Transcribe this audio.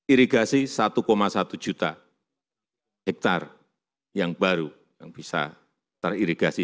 irigasi satu satu juta hektare yang baru yang bisa teririgasi